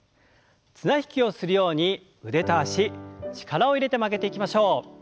綱引きをするように腕と脚力を入れて曲げていきましょう。